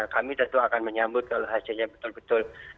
kami tentu akan menyambut kalau hasilnya betul betul